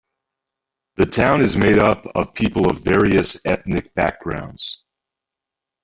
The town is made up of people of various ethnic backgrounds.